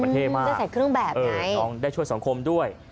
ได้ใส่เครื่องแบบไงได้ช่วยสังคมด้วย